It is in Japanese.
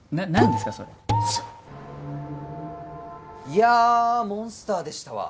いやモンスターでしたわ。